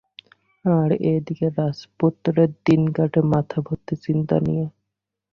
আর এদিকে রাজপুত্রের দিন কাটে, মাথা ভর্তি চিন্তা নিয়ে।